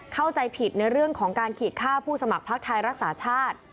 เข้าใจผิดในเรื่องของการขีดค่าผู้สมัครพักไทยรักษาชาติ